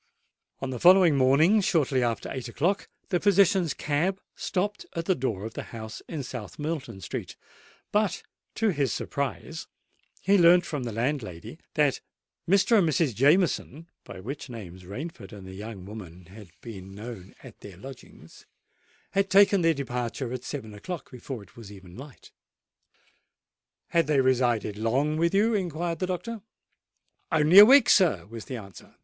On the following morning, shortly after eight o'clock, the physician's cab stopped at the door of the house in South Moulton Street; but, to his surprise, he learnt from the landlady that Mr. and Mrs. Jameson (by which names Rainford and the young woman had been known at their lodgings) had taken their departure at seven o'clock, before it was even light. "Had they resided long with you?" inquired the doctor. "Only a week, sir," was the answer.